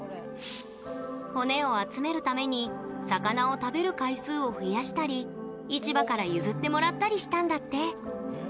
骨を集めるために魚を食べる回数を増やしたり市場から譲ってもらったりしたんだって。